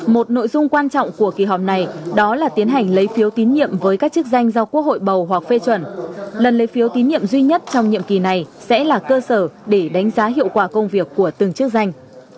một nội dung quan trọng của kỳ họp này đó là tiến hành lấy phiếu tín nhiệm với các chức danh do quốc hội bầu hoặc phê chuẩn lần lấy phiếu tín nhiệm duy nhất trong nhiệm kỳ này sẽ là cơ sở để đánh giá hiệu quả công việc của từng chức danh